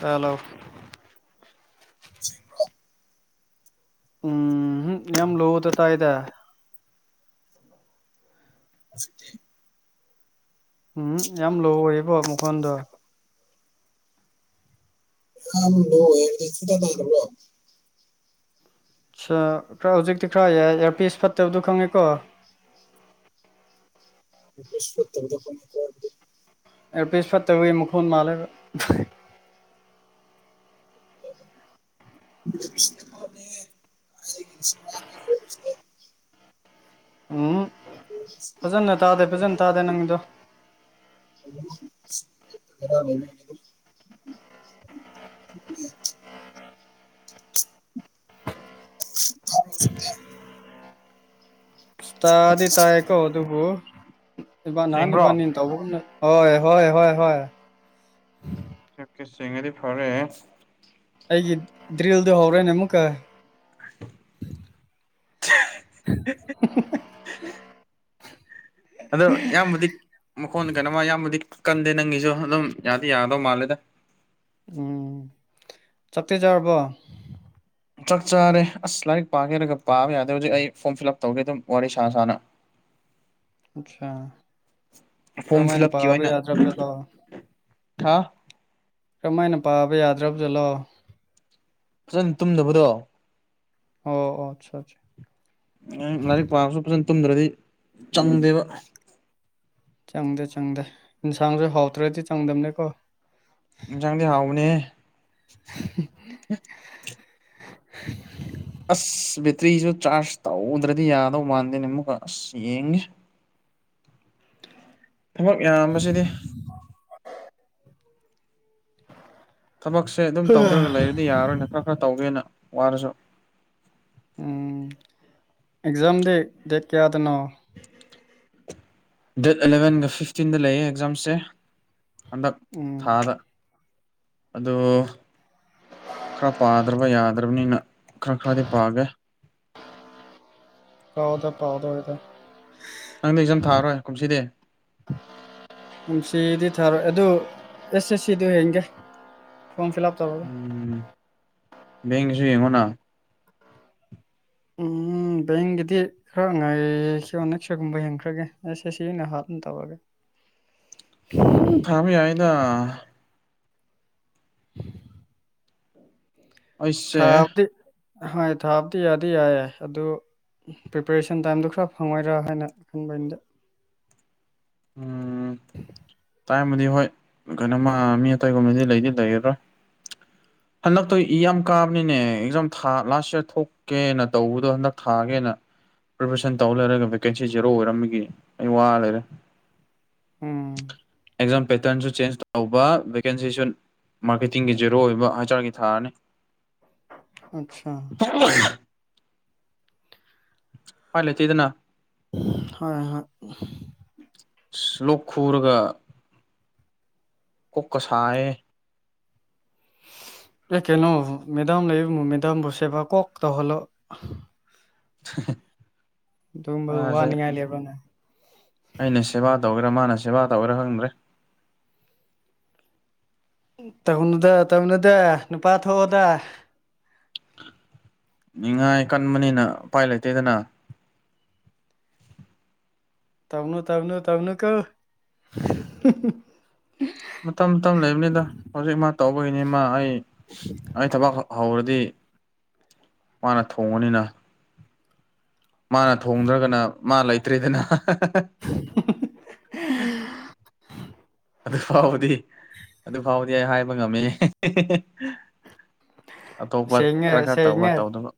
Hello ꯁꯤꯡ꯭ꯔꯣ ꯎꯝ ꯌꯥꯝ ꯂꯨ ꯇꯥ ꯇꯥꯏꯗ [unintelligible] ꯎꯝ ꯌꯥꯝ ꯂꯣ ꯑꯣꯏꯌꯦꯕꯣ ꯃꯈꯣꯟꯗꯣ ꯁꯨꯡꯇꯥ ꯇꯥꯗꯕꯔꯣ ꯈꯔ ꯍꯧꯖꯤꯛꯇꯤ ꯈꯔ ꯏꯌꯥꯔꯄꯤꯁ ꯐꯠꯇꯕꯗꯨ ꯈꯪꯉꯦꯀꯣ [unintelligible] ꯑꯦꯔꯄꯤꯁ ꯐꯠꯇꯕꯒꯤ ꯃꯈꯣꯟꯜ ꯃꯥꯜꯂꯦꯕ [unintelligible] ꯎꯝ [unintelligible] ꯐꯖꯅ ꯇꯥꯗꯦ ꯐꯖꯅ ꯇꯥꯗꯦ ꯅꯪꯒꯤꯗꯣ [inaudible] [unintelligible] ꯇꯗꯤ ꯇꯥꯏꯀꯣ ꯑꯗꯨꯕꯨ ꯏꯕꯅꯤ ꯅꯍꯥꯟ ꯁꯦꯡꯕ꯭ꯔꯣ ꯏꯕꯥꯅꯤꯅ ꯇꯧ ꯍꯣꯏ ꯍꯣꯏ ꯍꯣꯏ ꯍꯣꯏ ꯆꯤꯡꯉꯗꯤ ꯐꯔꯦ ꯑꯩꯒꯤ ꯗ꯭ꯔꯤꯜꯗꯨꯣ ꯍꯧꯔꯅꯦ ꯑꯃꯨꯛꯀ [inaudible] ꯑꯗꯣ ꯌꯥꯝꯕꯨꯗꯤ ꯃꯈꯣꯟ ꯀꯩꯅꯣꯃ ꯌꯥꯝꯌꯥꯝꯕꯨꯗꯤ ꯀꯟꯗꯦ ꯅꯪꯒꯤꯁꯨ ꯑꯗꯨꯝ ꯌꯥꯗꯤ ꯌꯥꯒꯗꯧ ꯃꯥꯜꯂꯦꯗ ꯎꯝ ꯆꯞꯇꯤ ꯆꯥꯔꯕꯣ ꯆꯥꯛ ꯆꯥꯔꯦ ꯑꯁ ꯂꯥꯏꯔꯤꯛ ꯄꯥꯒꯦꯔꯒ ꯄꯥꯕ ꯌꯥꯗꯦ ꯍꯧꯖꯤꯛ ꯑꯩ ꯐꯣꯔꯝ ꯐꯤꯜ ꯑꯞ ꯇꯧꯒꯦ ꯑꯗꯨꯝ ꯋꯥꯔꯤ ꯁꯥ ꯁꯥꯅ ꯑꯆꯥ ꯐꯣꯝ ꯐꯤꯜ ꯀꯔꯃꯥꯏꯅ ꯄꯥꯕ ꯌꯥꯗ꯭ꯔꯦꯗ ꯊꯥ ꯀꯔꯝꯃꯥꯏꯅ ꯄꯥꯕ ꯌꯥꯗ꯭ꯔꯕꯖꯂꯣ ꯐꯖꯅ ꯇꯨꯝꯗꯕꯗꯣ ꯑꯣ ꯑꯠꯆꯥ ꯑꯠꯆꯥ ꯂꯥꯏꯔꯤꯛ ꯄꯥꯕꯁꯨ ꯐꯖꯅ ꯇꯨꯝꯗ꯭ꯔꯗꯤ ꯆꯪꯗꯦꯕ ꯆꯪꯗꯦ ꯆꯪꯗꯦ ꯏꯟꯁꯥꯡꯁꯨ ꯍꯥꯎꯇ꯭ꯔꯗꯤ ꯆꯪꯗꯝꯅꯤꯀꯣ ꯌꯦꯟꯁꯥꯡꯗꯤ ꯍꯥꯎꯕꯅꯦꯍꯦ [inaudible] ꯑꯁ ꯕꯦꯇ꯭ꯔꯤꯁꯨ ꯆꯥꯔꯖ ꯇꯧꯗ꯭ꯔꯗꯤ ꯌꯥꯗꯧ ꯃꯥꯟꯗꯦꯅꯦ ꯑꯃꯨꯛꯀ ꯑꯁ ꯌꯦꯡꯅꯤ ꯊꯕꯛ ꯌꯥꯝꯕꯁꯤꯗꯤ [inaudible] ꯊꯕꯛꯁꯦ ꯗꯨꯝ ꯇꯧꯗ꯭ꯔꯒ ꯂꯩꯔꯗꯤ ꯌꯥꯔꯔꯣꯏꯅ ꯈꯔ ꯈꯔ ꯇꯧꯒꯦꯅ ꯋꯥꯔꯁꯨ ꯎꯝ ꯑꯦꯛꯖꯥꯝꯗꯤ ꯗꯦꯠ ꯀꯌꯥꯗꯅꯣ ꯗꯦꯠ ꯑꯦꯂꯚꯦꯟꯒ ꯐꯤꯐꯇꯤꯟꯗ ꯂꯩꯌꯦ ꯑꯦꯛꯖꯥꯝꯁꯦ ꯍꯟꯗꯛ ꯎꯝ ꯊꯥꯗ ꯑꯗꯣ ꯈꯔ ꯄꯥꯗ꯭ꯔꯕ ꯌꯥꯗ꯭ꯔꯕꯅꯤꯅ ꯈꯔ ꯈꯔꯗꯤ ꯄꯥꯒꯦ ꯄꯥꯎꯗ ꯄꯥꯎꯗꯧꯔꯤꯗ ꯅꯪꯗꯤ ꯑꯦꯛꯖꯝ ꯊꯥꯔꯔꯣꯏ ꯀꯨꯝꯁꯤꯗꯤ ꯀꯨꯝꯁꯤꯗꯤ ꯊꯥꯔꯣꯏ ꯑꯗꯨ ꯑꯦꯁ ꯑꯦꯁ ꯁꯤꯗꯨ ꯍꯦꯟꯒꯦ ꯐꯣꯝ ꯐꯤꯜꯑꯞ ꯎꯝ ꯕꯦꯡꯒꯤꯁꯨ ꯌꯦꯡꯉꯣꯅ ꯎꯝ ꯕꯦꯡꯒꯤꯗꯤ ꯈꯔ ꯉꯥꯏꯈ꯭ꯔꯤꯌꯣꯅ ꯁꯤꯒꯨꯝꯕ ꯌ‌ꯦꯡꯈ꯭ꯔꯒꯦ ꯑꯦꯁ ꯑꯦꯁ ꯁꯤꯅ ꯍꯥꯟꯕꯒꯨꯝ ꯇꯧꯋꯦꯕ [unintelligible] ꯗꯨꯝ ꯊꯥꯕ ꯌꯥꯏꯗ ꯑꯩꯁꯦ ꯊꯥꯕꯗꯤ ꯍꯣꯏ ꯊꯥꯕꯗꯤ ꯌꯥꯗꯤ ꯌꯥꯏꯌꯦ ꯑꯗꯨ ꯄ꯭ꯔꯤꯄꯦꯔꯦꯁꯟ ꯇꯥꯏꯝꯗꯣ ꯈꯔ ꯐꯪꯉꯣꯏꯗ꯭ꯔꯥ ꯍꯥꯏꯅ ꯈꯟꯕꯅꯤꯗ ꯎꯝ ꯇꯥꯏꯝꯕꯨꯗꯤ ꯍꯣꯏ ꯀꯩꯅꯣꯃ ꯃꯤ ꯑꯇꯩꯒꯨꯝꯕꯗꯤ ꯂꯩꯗꯤ ꯂꯩꯔꯔꯣꯏ ꯍꯟꯂꯛꯇꯣ ꯏ ꯌꯥꯝ ꯀꯥꯕꯅꯤꯅꯦ ꯑꯦꯛꯖꯥꯝ ꯊꯥ ꯂꯥꯁ ꯏ꯭ꯌꯥꯔ ꯊꯣꯛ ꯀꯦꯅ ꯇꯧꯕꯗꯣ ꯍꯟꯗꯛ ꯊꯥꯒꯦꯅ ꯄ꯭ꯔꯤꯄ꯭ꯔꯦꯁꯟ ꯇꯧ ꯂꯩꯔꯒ ꯚꯦꯀꯦꯟꯁꯤ ꯖꯦꯔꯣ ꯑꯣꯏꯔꯝꯕꯒꯤ ꯑꯩ ꯋꯥ ꯂꯩꯔꯦ ꯎꯝ ꯑꯦꯛꯖꯥꯝ ꯄꯦꯇ꯭ꯔꯟꯁꯨ ꯆꯦꯟꯖ ꯇꯧꯕ ꯚꯦꯀꯦꯟꯁꯤꯁꯨꯟ ꯃꯥꯔꯀꯦꯇꯤꯡꯒꯤ ꯖꯦꯔꯣ ꯑꯣꯏꯕ ꯍꯩꯁ ꯑꯥꯔꯒꯤ ꯊꯥꯔꯅꯤ ꯑꯠꯁꯥ [inaudible] ꯎꯄꯥꯏ ꯂꯩꯇꯦꯗꯅ ꯍꯣꯏ ꯍꯣꯏ ꯂꯣꯛ ꯈꯨꯔꯒ ꯀꯣꯛꯀ ꯁꯥꯏꯌꯦ ꯑꯦ ꯀꯩꯅꯣ ꯃꯦꯗꯥꯝ ꯂꯩꯕꯕꯨ ꯃꯦꯗꯥꯝꯕꯨ ꯁꯦꯕ ꯀꯣꯛ ꯇꯧꯍꯜꯂꯣ [inaudible] ꯗꯨꯝꯕꯩ ꯃꯥꯁꯦ ꯋꯥꯅꯤꯡꯉꯥꯏ ꯂꯩꯕꯔꯅꯦ ꯑꯩꯅ ꯁꯦꯕꯥ ꯇꯧꯒꯦꯔꯥ ꯃꯥꯅ ꯁꯦꯕꯥ ꯇꯧꯒꯦꯔꯥ ꯍꯪꯗ꯭ꯔꯦ ꯇꯧꯅꯨꯗ ꯇꯧꯅꯨꯗ ꯅꯨꯄꯥ ꯊꯣꯛꯑꯣꯗ ꯅꯤꯡꯉꯥꯏ ꯀꯟꯕꯅꯤꯅ ꯎꯄꯥꯏ ꯂꯩꯇꯦꯗꯅ ꯇꯧꯅꯨ ꯇꯧꯅꯨ ꯇꯧꯅꯨꯀꯣ ꯃꯇꯝ ꯃꯇꯝ ꯂꯩꯕꯅꯦꯗ ꯍꯧꯖꯤꯛ ꯃꯥ ꯇꯧꯕꯩꯅꯦ ꯃꯥ ꯑꯩ [inaudible] ꯑꯩ ꯊꯕꯛ ꯍꯧꯔꯗꯤ ꯃꯥꯅ ꯊꯣꯡꯕꯅꯤꯅ ꯃꯥꯅ ꯊꯣꯡꯗ꯭ꯔꯒꯅ ꯃꯥ ꯂꯩꯇ꯭ꯔꯦꯗꯅ [inaudible] ꯑꯗꯨ ꯐꯥꯎꯕꯗꯤ ꯑꯗꯨ ꯐꯥꯎꯗꯤ ꯑꯩ ꯍꯥꯏꯕ ꯉꯝꯃꯦ ꯑꯇꯣꯞꯄ ꯁꯦꯡꯉꯦ ꯈꯔ ꯈꯔ ꯇꯧꯕ ꯁꯦꯡꯉꯦ ꯇꯧꯗꯕ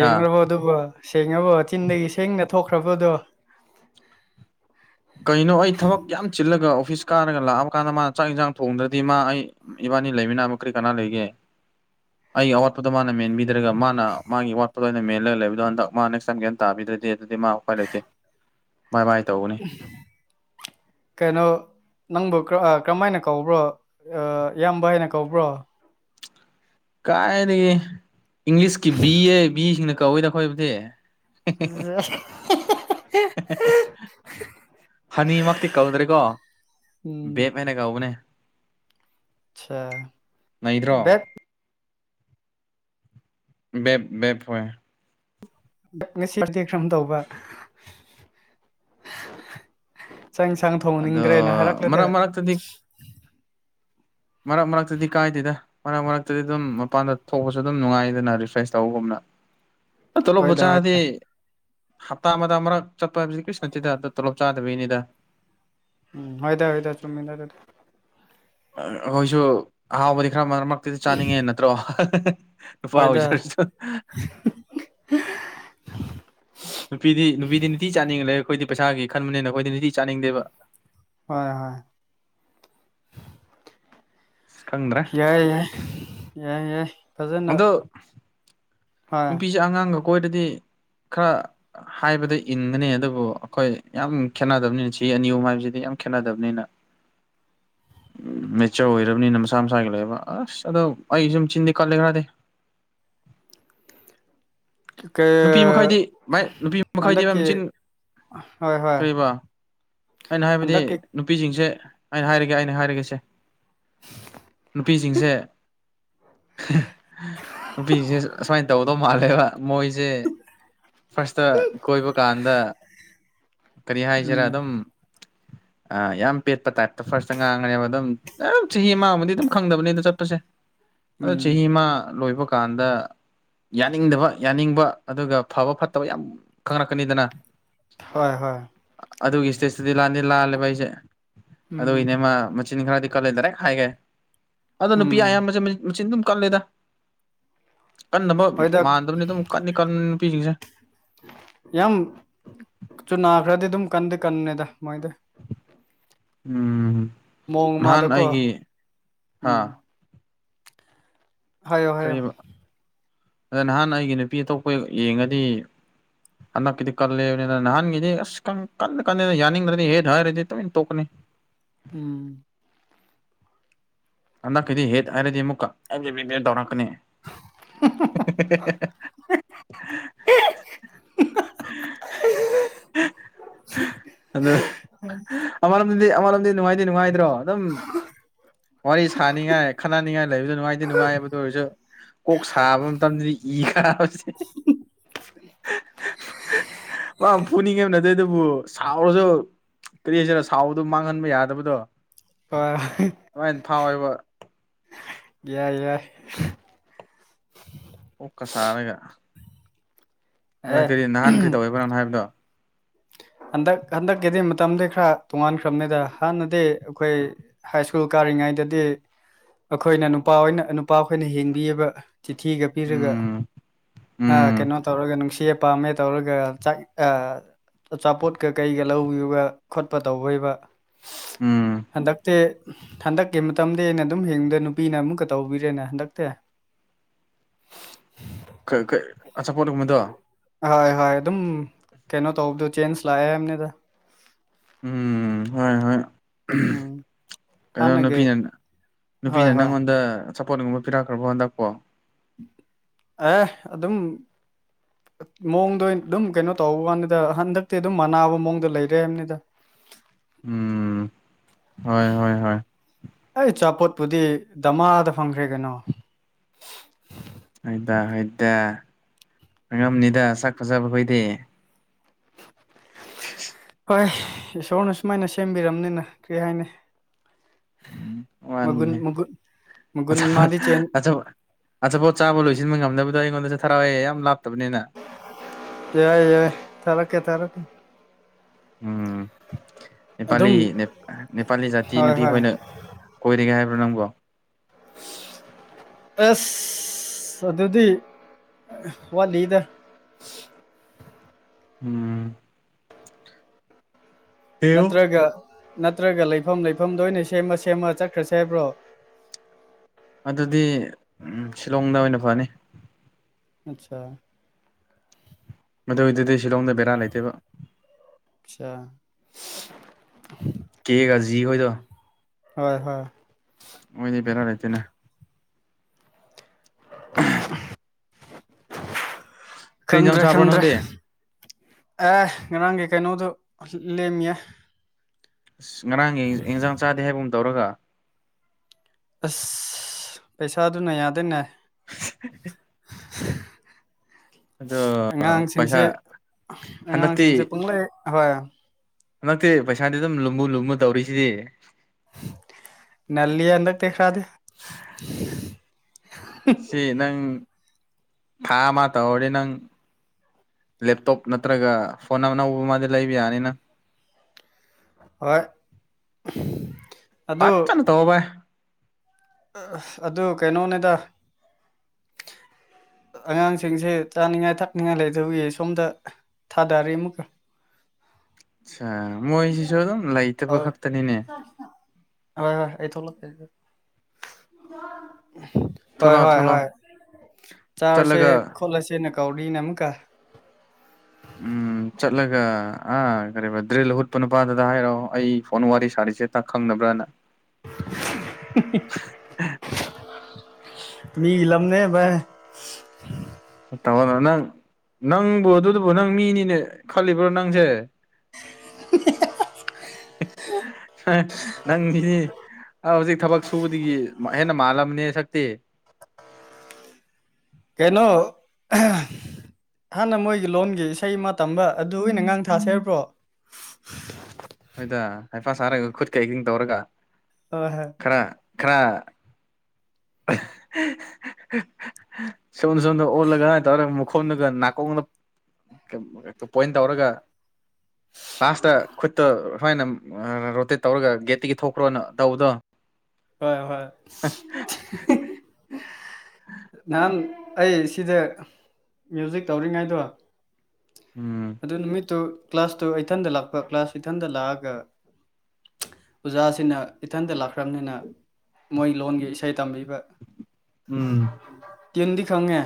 ꯍꯥꯥ ꯍꯣ ꯗꯨꯕ ꯁꯦꯡꯉꯕꯣ ꯆꯤꯟꯗꯒꯤ ꯁꯦꯡꯅ ꯊꯣꯛꯈ꯭ꯔꯕꯗꯣ ꯀꯩꯅꯣ ꯑꯩ ꯊꯕꯛ ꯌꯥꯝ ꯆꯤꯜꯂꯒ ꯑꯣꯐꯤꯁ ꯀꯥꯔꯒ ꯂꯥꯛꯑꯕ ꯀꯥꯟꯗ ꯃꯥꯅ ꯆꯥꯛ ꯌꯦꯟꯁꯥꯡ ꯊꯣꯡꯗ꯭ꯔꯗꯤ ꯃꯥ ꯑꯩ ꯏꯕꯥꯟꯅꯤ ꯂꯩꯃꯤꯅꯕ ꯀꯔꯤ ꯀꯅꯥ ꯂꯩꯒꯦ [inaudible] ꯑꯩꯒꯤ ꯑꯋꯥꯠꯄꯗꯣ ꯃꯥꯅ ꯃꯦꯟꯕꯤꯗ꯭ꯔꯒ ꯃꯥꯅ ꯃꯥꯒꯤ ꯑꯋꯥꯠꯄꯗꯣ ꯑꯩꯅ ꯃꯦꯜꯂꯒ ꯂꯩꯕꯗꯣ ꯍꯟꯗꯛ ꯃꯥ ꯅꯦꯛꯁ ꯇꯥꯏꯝ ꯒꯌ꯭ꯥꯟ ꯇꯥꯕꯤꯗ꯭ꯔꯗꯤ ꯑꯗꯨꯗꯤ ꯃꯥ ꯎꯄꯥꯏ ꯂꯩꯇꯦ ꯕꯥꯏ ꯕꯥꯏ ꯇꯧꯒꯅꯤ ꯀꯩꯅꯣ ꯅꯪꯕꯨ ꯀꯔꯥ ꯀꯔꯝꯃꯥꯏꯅ ꯀꯧꯕ꯭ꯔꯣ ꯑꯥ ꯏꯌꯥꯝꯕ ꯍꯥꯏꯅ ꯀꯧꯕ꯭ꯔꯣ ꯀꯥꯏꯗꯒꯤ ꯏꯪꯂꯤꯁꯀꯤ ꯕꯤ ꯑꯦ ꯕꯤꯁꯤꯡꯅ ꯀꯧꯋꯦꯗꯈꯣꯏꯕꯨꯗꯤ [inaudible] [unintelligible] ꯍꯅꯤꯃꯛꯇꯤ ꯀꯧꯗ꯭ꯔꯦꯀꯣ ꯎꯝ ꯕꯦꯞ ꯍꯥꯏꯅ ꯀꯧꯕꯅꯦ ꯑꯁꯥ ꯅꯩꯗ꯭ꯔꯣ ꯕꯦꯞ ꯕꯦꯞ [unintelligible] ꯉꯁꯤ ꯄꯔꯇꯤ ꯀ꯭ꯔꯝ ꯇꯧꯕ ꯆꯥꯡ ꯌꯦꯟꯁꯥꯡ ꯑꯗꯣ ꯊꯣꯡꯍꯟꯅꯤꯡꯗ꯭ꯔꯦꯅ ꯍꯥꯏꯔꯛꯂꯗꯤ [unintelligible] ꯃꯔꯛ ꯃꯔꯛꯇꯗꯤ ꯀꯥꯏꯗꯦꯗ ꯃꯔꯛ ꯃꯔꯛꯇꯗꯤ ꯑꯗꯨꯝ ꯃꯄꯥꯟꯗ ꯊꯣꯡꯄꯁꯨ ꯑꯗꯨꯝ ꯅꯨꯡꯉꯥꯏꯗꯅ ꯔꯤꯐ꯭ꯔꯦꯁ ꯇꯧꯕꯒꯨꯝꯅ [inaudible] ꯇꯣꯂꯣꯞꯄꯨ ꯆꯥꯔꯗꯤ ꯍꯣꯏꯗ ꯍꯞꯇꯥ ꯑꯃꯗ ꯑꯃꯔꯛ ꯆꯠꯄ ꯍꯥꯏꯗꯨꯗꯤ ꯀ꯭ꯔꯤꯁꯨ ꯅꯇꯤꯗ ꯑꯗꯨ ꯇꯣꯂꯞ ꯆꯥꯗꯕꯤꯒꯤꯅꯤꯗ ꯍꯣꯏꯗ ꯍꯣꯏꯗ ꯆꯨꯝꯃꯤꯗ ꯑꯗꯨꯗꯤ ꯑꯩꯈꯣꯏꯁꯨ ꯑꯍꯥꯎꯕꯗꯤ ꯈꯔ ꯃꯔꯛ ꯃꯔꯛꯇꯗꯤ ꯆꯥꯅꯤꯡꯉꯦ ꯅꯠꯇ꯭ꯔꯣ ꯅꯨꯄꯥ ꯍꯣꯏꯗ ꯑꯣꯏꯖꯔꯁꯨ ꯅꯨꯄꯤꯗꯤ ꯅꯨꯄꯤꯗꯤ ꯇꯤ ꯆꯥꯅꯤꯡꯂꯦ ꯑꯩꯈꯣꯏꯗꯤ ꯄꯩꯁꯥꯒꯤ ꯈꯟꯕꯅꯤꯅ ꯑꯩꯈꯣꯏꯗꯤ ꯅꯨꯡꯇꯤ ꯆꯥꯅꯤꯡꯗꯦꯕ ꯍꯣꯏ ꯍꯣꯏ ꯈꯪꯗ꯭ꯔꯥ ꯌꯥꯏ ꯌꯥꯏ ꯌꯥꯏ ꯌꯥꯏ ꯐꯖꯅ ꯑꯗꯣ ꯍꯣꯏ ꯅꯨꯄꯤꯁꯦ ꯑꯉꯥꯡꯒ ꯀꯣꯏꯔꯗꯤ ꯈꯔ ꯍꯥꯏꯕꯗ ꯏꯟꯒꯅꯤ ꯑꯗꯨꯕꯨ ꯑꯩꯈꯣꯏ ꯌꯥꯝ ꯈꯦꯠꯅꯗꯕꯅꯤꯅ ꯆꯍꯤ ꯑꯅꯤ ꯑꯍꯨꯝ ꯍꯥꯏꯕꯁꯤꯗꯤ ꯌꯥꯝ ꯈꯦꯠꯅꯗꯕꯅꯤꯅ [inaudible] ꯎꯝ ꯃꯦꯆꯌꯣꯔ ꯑꯣꯏꯔꯕꯅꯤꯅ ꯃꯁꯥ ꯃꯁꯥꯒꯤ ꯂꯩꯕ ꯑꯁ ꯑꯗꯣ ꯑꯩꯒꯤꯁꯨ ꯆꯤꯟꯗꯤ ꯀꯠꯂꯦ ꯈ꯭ꯔꯗꯤ ꯀ ꯅꯨꯄꯤ ꯃꯈꯩꯗꯤ ꯚꯥꯏ ꯅꯨꯄꯤ ꯃꯈꯩꯗꯤ ꯚꯥꯏ ꯍꯟꯗꯛꯀꯤ ꯃꯆꯤꯟ ꯍꯣꯏ ꯍꯣꯏ ꯀꯔꯤꯕ ꯑꯩꯅ ꯍꯥꯏꯕꯗꯤ ꯍꯟꯗꯛꯀꯤ ꯅꯨꯄꯤꯁꯤꯡꯁꯦ ꯑꯩꯅ ꯍꯥꯏꯔꯒꯦ ꯑꯩꯅ ꯍꯥꯏꯔꯒꯦꯁꯦ ꯅꯨꯄꯤꯁꯤꯡꯁꯦ ꯅꯨꯄꯤꯁꯦ ꯑꯁꯨꯃꯥꯏꯅ ꯇꯧꯒꯗꯧꯕ ꯃꯥꯜꯂꯦꯕ ꯃꯣꯏꯁꯦ ꯁꯦ ꯐꯥꯔꯁꯇ ꯀꯣꯏꯕ ꯀꯥꯟꯗ ꯀꯔꯤ ꯍꯥꯏꯁꯤꯔꯥ ꯎꯝ ꯑꯗꯨꯝ [inaudible] ꯌꯥꯝ ꯄꯦꯠꯄ ꯇꯥꯏꯞꯇ ꯐꯥꯔꯁꯇ ꯉꯥꯡꯈ꯭ꯔꯦꯕ ꯑꯗꯨꯝ ꯆꯍꯤ ꯑꯃꯗꯤ ꯑꯃꯥꯕꯨꯗꯤ ꯑꯗꯨꯝ ꯈꯪꯗꯕꯅꯦ ꯑꯗꯣ ꯆꯠꯄꯁꯦ ꯑꯗꯣ ꯎꯝ ꯆꯍꯤ ꯑꯃ ꯂꯣꯏꯕ ꯀꯥꯟꯗ ꯌꯥꯅꯤꯡꯗꯕ ꯌꯥꯅꯤꯡꯕ ꯑꯗꯨꯒ ꯐꯕ ꯐꯠꯇꯕ ꯌꯥꯝ ꯈꯪꯂꯛꯀꯅꯤꯗꯅ ꯍꯣꯏ ꯍꯣꯏ ꯑꯗꯨꯒꯤ ꯁꯇꯦꯖꯇꯨꯗꯤ ꯂꯥꯟꯗꯤ ꯂꯥꯜꯂꯦꯕ ꯑꯩꯁꯦ ꯎꯝ ꯑꯗꯨꯒꯤꯅꯦ ꯃꯥ ꯃꯆꯤꯟ ꯈꯔꯗꯤ ꯀꯜꯂꯦ ꯗꯥꯔꯦꯛ ꯍꯥꯏꯒꯦ ꯑꯗꯣ ꯅꯨꯄꯤ ꯎꯝ ꯑꯌꯥꯝꯕꯖꯦ ꯃꯆꯤꯟ ꯗꯨꯝ ꯀꯜꯂꯦꯗ꯫ ꯀꯟꯅꯕ ꯍꯣꯏꯗ ꯃꯥꯟꯗꯕꯅꯤ ꯑꯗꯨꯝ ꯀꯟꯗꯤ ꯀꯟꯕꯅꯦ ꯅꯨꯄꯤꯁꯤꯡꯁꯦ ꯌꯥꯝ ꯁꯨ ꯅꯥꯈ꯭ꯔꯗꯤ ꯑꯗꯨꯝ ꯀꯟꯗꯤ ꯀꯟꯅꯦꯗ ꯃꯣꯏꯗꯤ ꯫ ꯎꯝ ꯃꯑꯣꯡ ꯅꯍꯥꯟ ꯑꯃꯗꯀꯣ ꯑꯩꯒꯤ ꯍꯥ ꯎꯝ ꯍꯥꯏꯌꯣ ꯍꯥꯏꯌꯣ ꯀꯩꯑꯕ ꯅꯍꯥꯟ ꯑꯩꯒꯤ ꯅꯨꯄꯤ ꯑꯇꯣꯞꯄ ꯌꯦꯡꯉꯗꯤ ꯍꯟꯗꯛꯀꯤꯗꯤ ꯀꯜꯂꯦꯕꯅꯤꯅ ꯅꯍꯥꯟꯒꯤꯗꯤ ꯑꯁ ꯀꯟꯗ ꯀꯟꯗ ꯌꯥꯅꯤꯡꯗ꯭ꯔꯗꯤ ꯍꯦꯠ ꯍꯥꯏꯔꯗꯤ ꯇꯨꯃꯤꯟ ꯇꯣꯛꯀꯅꯤ꯫ ꯎꯝ ꯍꯟꯛꯀꯤꯗꯤ ꯍꯦꯠ ꯍꯥꯏꯔꯗꯤ ꯑꯃꯨꯛꯀ ꯑꯩ [unintelligible] ꯇꯧꯔꯛꯀꯅꯤ꯫ [inaudible] [inaudible] ꯎ [inaudible] ꯑꯗꯨ ꯑꯃꯔꯣꯝꯗꯗꯤ ꯑꯃꯔꯣꯝꯗꯗꯤ ꯅꯨꯡꯉꯥꯏꯗꯤ ꯅꯨꯡꯉꯥꯏꯗ꯭ꯔꯣ ꯑꯗꯨꯝ ꯋꯥꯔꯤ ꯁꯥꯅꯤꯡꯉꯥꯏ ꯈꯟꯅꯅꯤꯡꯉꯥꯏ ꯂꯩꯕꯁꯦ ꯅꯨꯡꯉꯥꯏꯗꯤ ꯅꯨꯡꯉꯥꯏꯌꯦꯕ ꯑꯗꯨ ꯑꯣꯏꯔꯁꯨ ꯀꯣꯛ ꯁꯥꯕ ꯃꯇꯝꯗꯗꯤ ꯏ ꯀꯥꯕꯁꯤ ꯫ ꯃꯥ ꯐꯨꯅꯤꯡꯉꯝꯅꯤ ꯑꯗꯨꯗꯕꯨ ꯁꯥꯎꯔꯖꯨ ꯀꯔꯤ ꯍꯥꯏꯁꯤꯔꯥ ꯁꯥꯎꯕꯗꯣ ꯃꯥꯡꯍꯟꯕ ꯌꯥꯗꯕꯗꯣ ꯍꯣꯏ ꯗꯨꯃꯥꯏꯟ ꯐꯥꯎꯋꯦꯕ ꯫ ꯌꯥꯏ ꯌꯥꯏ ꯀꯣꯛꯀ ꯁꯥꯔꯒ꯫ ꯅ ꯑꯦ ꯀꯔꯤ ꯅꯍꯥꯟ ꯀꯔꯤ ꯇꯧꯋꯦꯕ [unintelligible] ꯍꯥꯏꯕꯗꯣ ꯍꯟꯗꯛ ꯍꯟꯗꯛꯀꯤꯗꯤ ꯃꯇꯝꯗꯤ ꯈꯔ ꯇꯣꯡꯉꯥꯟꯈ꯭ꯔꯕꯅꯤꯗ ꯍꯥꯟꯅꯗꯤ ꯑꯩꯈꯣꯏ ꯍꯥꯏ ꯁ꯭ꯀꯨꯜ ꯀꯥꯔꯤꯉꯩꯗꯗꯤ ꯑꯩꯈꯣꯏꯅ ꯅꯨꯄꯥ ꯑꯣꯏꯅ ꯅꯨꯄꯥ ꯑꯩꯈꯣꯏꯅ ꯍꯦꯟꯕꯤꯌꯦꯕ ꯫ ꯆꯤꯊꯤꯒ ꯄꯤꯔꯒ ꯎꯝ ꯍꯥꯛ ꯎꯝ ꯀꯩꯅꯣ ꯇꯧꯔꯒ ꯅꯨꯡꯁꯤꯌꯦ ꯄꯥꯝꯃꯦ ꯇꯧꯔꯒ ꯆꯥꯛ ꯑꯥ ꯑꯆꯥꯄꯣꯠꯀ ꯀꯩꯒ ꯂꯧꯕꯤꯕꯒ ꯈꯣꯠꯄ ꯇꯧꯕꯩꯕ ꯎꯝ ꯍꯟꯗꯛꯇꯤ ꯍꯟꯗꯛꯀꯤ ꯃꯇꯝꯗꯤ ꯑꯩꯅ ꯑꯗꯨꯝ ꯌꯦꯡꯕꯗ ꯅꯨꯄꯤꯅ ꯑꯃꯨꯛꯀ ꯇꯧꯕꯤꯔꯦꯅꯦ ꯍꯟꯗꯛꯇꯤ꯫ ꯈ ꯈ ꯑꯆꯥꯄꯣꯠꯒꯨꯝꯕꯗꯣ ꯍꯣꯏ ꯍꯣꯏ ꯑꯗꯨꯝ ꯀꯩꯅꯣ ꯇꯧꯕꯗꯣ ꯆꯦꯟꯖ ꯂꯥꯛꯑꯦ ꯍꯥꯏꯝꯅꯤꯗꯥ ꯫ ꯎꯝ ꯍꯣꯏ ꯍꯣꯏ꯫ ꯎꯝ ꯀꯩꯅꯣ ꯍꯥꯟꯅꯒꯤ ꯅꯨꯄꯤꯅ ꯍꯣꯏ ꯅꯨꯄꯤꯅ ꯍꯣꯏ ꯅꯪꯉꯣꯟꯗ ꯆꯄꯣꯠꯒꯨꯝꯕ ꯄꯤꯔꯛꯈ꯭ꯔꯕꯣ ꯍꯟꯛꯄꯣ ꯫ ꯑꯦ ꯑꯗꯨꯝ ꯃꯑꯣꯡꯗ ꯑꯩꯟ ꯑꯗꯨꯝ ꯀꯩꯅꯣ ꯇꯧꯕꯋꯥꯅꯤꯗꯥ ꯍꯟꯗꯛꯇꯤ ꯑꯗꯨꯝ ꯃꯅꯥꯕ ꯃꯑꯣꯡꯗ ꯂꯩꯔꯦ ꯍꯥꯏꯕꯅꯤꯗꯥ ꯫ ꯎꯝ ꯍꯣꯏ ꯍꯣꯏ ꯍꯣꯏ꯫ ꯑꯩ ꯆꯥꯄꯣꯠꯄꯨꯗꯤ ꯗꯃꯥꯗ ꯐꯪꯈ꯭ꯔꯦ ꯀꯩꯅꯣ꯫ ꯍꯣꯏꯗꯥ ꯍꯣꯏꯗꯥ ꯐꯪꯉꯝꯅꯤꯗꯥ ꯁꯛ ꯐꯖꯕ ꯈꯣꯏꯗꯤ꯫ [inaudible] ꯍꯣꯏ ꯏꯁꯣꯔꯅ ꯁꯨꯃꯥꯏꯅ ꯁꯦꯝꯕꯤꯔꯝꯅꯤꯅ ꯀꯔꯤ ꯍꯥꯏꯅꯤ꯫ ꯃꯒꯨꯟ ꯋꯥꯅꯤꯅꯦ ꯃꯒꯨ ꯃꯒꯨꯟ ꯑꯆꯥꯄꯣꯠ ꯃꯥꯗꯤ ꯆꯦꯟ ꯑꯆꯥꯄꯣꯠ ꯑꯆꯥꯄꯣꯠ ꯆꯥꯕ ꯂꯣꯏꯁꯤꯟꯕ ꯉꯝꯗꯕꯗꯣ ꯑꯩꯉꯣꯟꯗꯖꯨ ꯊꯔꯛꯑꯣ ꯌꯦ ꯌꯥꯝ ꯂꯞꯇꯕꯅꯤꯅ꯫ ꯌꯥꯏ ꯌꯥꯏ ꯊꯔꯛꯀꯦ ꯊꯔꯛ ꯎꯝ ꯑꯗꯨꯝ ꯅꯦꯄꯥꯂꯤ ꯅꯦꯞ ꯅꯦꯄꯥꯂꯤ ꯖꯥꯇꯤ ꯍꯣꯏ ꯍꯣꯏ ꯅꯨꯄꯤꯈꯣꯏꯅ ꯀꯣꯏꯔꯤꯒꯦ ꯍꯥꯏꯕ꯭ꯔ ꯅꯪꯕꯣ ꯑꯁ ꯑꯗꯨꯗꯤ ꯋꯥꯠꯂꯤꯗ ꯎꯝ [unintelligible] ꯅꯠꯇ꯭ꯔꯒ ꯅꯠꯇ꯭ꯔꯒ ꯂꯩꯐꯝ ꯂꯩꯐꯝꯗ ꯑꯣꯏꯅ ꯁꯦꯝꯃ ꯁꯦꯝꯃ ꯆꯠꯈ꯭ꯔꯁꯦ ꯍꯥꯏꯕ꯭ꯔꯣ ꯑꯗꯨꯗꯤ ꯎꯝ ꯁꯤꯂꯣꯡꯗ ꯑꯣꯏꯅ ꯐꯅꯤ ꯑꯠꯆꯥ ꯃꯗꯨ ꯑꯣꯏꯗꯨꯗꯤ ꯁꯤꯂꯣꯡꯗ ꯕꯦꯔꯥ ꯂꯩꯇꯦꯕ ꯑꯠꯆꯥ [unintelligible] ꯀꯦꯒꯖꯤ ꯍꯣꯏꯗꯣ ꯍꯣꯏ ꯍꯣꯏ ꯃꯣꯏꯗꯤ ꯕꯦꯔꯥꯏ ꯂꯩꯇꯦꯅꯦ ꯀꯔꯤ ꯏꯟꯖꯥꯡ ꯈꯪꯗ꯭ꯔꯦ ꯆꯥꯕ꯭ꯔꯣ ꯈꯪꯗ꯭ꯔꯦ ꯅꯪꯗꯤ ꯑꯦ ꯉꯔꯥꯡꯒꯤ ꯀꯩꯅꯣꯗꯨ ꯂꯦꯝꯃꯤꯌꯦ ꯑꯁ ꯉꯔꯥꯡꯒꯤ ꯏꯟꯖꯥꯡ ꯆꯥꯗꯦ ꯍꯥꯏꯕꯒꯨꯝ ꯇꯧꯔꯒ ꯑꯁ ꯄꯩꯁꯥꯗꯨꯅ ꯌꯥꯗꯦꯅꯦ [unintelligible] ꯑꯗꯣ ꯄꯩꯁꯥ ꯑꯉꯥꯡꯁꯤꯡꯁꯦ ꯍꯟꯗꯛꯇꯤ ꯑꯉꯥꯡꯁꯤꯡꯁꯦ ꯄꯪꯂꯩ ꯍꯣꯏ ꯍꯟꯗꯛꯇꯤ ꯄꯩꯁꯥꯗꯤ ꯑꯗꯨꯝ ꯂꯨꯝꯕꯨꯨ ꯂꯨꯝꯃꯨ ꯇꯧꯔꯤꯁꯤꯗꯤ ꯅꯜꯂꯤꯌꯦ ꯍꯟꯗꯛꯇꯤ ꯈꯔꯗꯤ ꯁꯤ ꯅꯪ ꯊꯥ ꯑꯃ ꯇꯧꯔꯗꯤ ꯅꯪ ꯂꯦꯞꯇꯣꯞ ꯅꯠꯇ꯭ꯔꯒ ꯐꯣꯟ ꯑꯅꯧꯕ ꯑꯃꯗꯤ ꯂꯩꯕ ꯌꯥꯅꯤꯅ ꯑꯣꯏ [unintelligible] ꯐꯖꯅ ꯇꯧꯑꯣ ꯕꯥꯏ ꯑ ꯑꯁ ꯑꯗꯨ ꯀꯩꯅꯣꯅꯤꯗ ꯑꯉꯥꯡꯁꯤꯡꯁꯦ ꯆꯥꯅꯤꯡꯉꯥꯏ ꯊꯛꯅꯤꯡꯉꯥꯏ ꯂꯩꯇꯕꯒꯤ ꯁꯣꯝꯗ ꯊꯥꯗꯔꯤ ꯑꯃꯨꯛꯀ ꯑꯠꯁ ꯃꯣꯏꯖꯤꯖꯨ ꯑꯗꯨꯝ ꯂꯩꯇꯕ ꯑꯧ ꯈꯛꯇꯅꯤꯅꯦ ꯍꯣꯏ ꯍꯣꯏ ꯑꯩ ꯊꯣꯛꯂꯛꯀꯦ ꯍꯣꯏ ꯊꯣꯛꯂꯛꯑꯣ ꯍꯣꯏ ꯊꯣꯛꯂꯛꯑꯣ ꯍꯣꯏ ꯆꯥꯔꯁꯦ ꯆꯠꯂꯒ ꯈꯣꯠꯂꯁꯦꯅ ꯀꯧꯔꯤꯅꯦ ꯑꯃꯨꯛꯀ ꯎꯝ ꯆꯠꯂꯒ ꯑ ꯀꯔꯤꯕ ꯗ꯭ꯔꯤꯜ ꯍꯨꯠꯄ ꯅꯨꯄꯥꯗꯨꯗ ꯍꯥꯏꯔꯣ ꯑꯩ ꯐꯣꯟ ꯋꯥꯔꯤ ꯁꯥꯔꯤꯁꯦ ꯇꯛ ꯈꯪꯅꯕ꯭ꯔꯅ [unintelligible] ꯃꯤ ꯂꯝꯅꯦ ꯕꯥꯏ ꯇꯧꯑꯣꯅ ꯅꯪ ꯅꯪꯕꯨ ꯑꯗꯨꯗꯕꯨ ꯅꯪ ꯃꯤꯅꯤꯅꯦ ꯈꯜꯂꯤꯕ꯭ꯔꯣ ꯅꯪꯖꯦ [unintelligible] [unintelligible] ꯅꯪꯗꯤ ꯑ ꯍꯧꯖꯤꯛ ꯊꯕꯛ ꯁꯨꯕꯗꯒꯤ ꯃ ꯍꯦꯟꯅ ꯃꯥꯜꯂꯕꯅꯦ ꯁꯛꯇꯤ ꯀꯩꯅꯣ [unintelligible] ꯍꯥꯟꯅ ꯃꯣꯏꯒꯤ ꯂꯣꯟꯒꯤ ꯏꯁꯩ ꯑꯃ ꯇꯝꯕ ꯑꯗꯨ ꯑꯣꯏꯅ ꯉꯥꯡꯊꯁꯦ ꯍꯥꯏꯕ꯭ꯔꯣ ꯍꯣꯏꯗ ꯍꯩꯄ ꯁꯥꯔꯒ ꯈꯨꯠ ꯑꯦꯛꯇꯤꯡ ꯇꯧꯔꯒ [unintelligible] ꯈꯔ ꯈꯔ [unintelligible] ꯁꯨꯟ ꯁꯨꯟꯗ ꯑꯣꯜꯂꯒ ꯇꯧꯔ ꯃꯈꯣꯡꯗꯒ ꯅꯥꯀꯣꯡꯅ [unintelligible] ꯄꯣꯏꯟ ꯇꯧꯔꯒ ꯐꯥꯁꯇ ꯈꯨꯠ ꯁꯨꯃꯥꯏꯅ [unintelligible] ꯔꯣꯇꯦꯠ ꯇꯧꯔꯒ ꯒꯦꯠꯇꯒꯤ ꯊꯣꯛꯈ꯭ꯔꯣꯅ ꯇꯧꯕꯗꯣ ꯍꯣꯏ ꯍꯣꯏ ꯅꯍꯥꯟ ꯑꯩ ꯁꯤꯗ ꯃ꯭ꯌꯨꯖꯤꯛ ꯇꯧꯔꯤꯉꯩꯗꯣ ꯎꯝ ꯑꯗꯨ ꯅꯨꯃꯤꯠꯇꯨ ꯀ꯭ꯂꯥꯁ ꯇꯨ ꯑꯩꯊꯟꯗ ꯂꯥꯛꯄ ꯀ꯭ꯂꯥꯁ ꯏꯊꯟꯗ ꯂꯥꯛꯑꯒ ꯑꯣꯖꯥꯁꯤꯅ ꯏꯊꯟꯇ ꯂꯥꯛꯈ꯭ꯔꯕꯅꯤꯅ ꯃꯣꯏ ꯂꯣꯟꯒꯤ ꯏꯁꯩ ꯇꯝꯕꯤꯕ ꯎꯝ ꯀꯗꯤ [unintelligible] ꯈꯪꯉꯦ